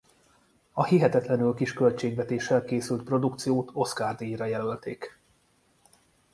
A hihetetlenül kis költségvetéssel készült produkciót Oscar-díjra jelölték.